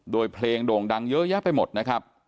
โดยเพลงโด่งดังเยอะแยะไปหมดนะครับ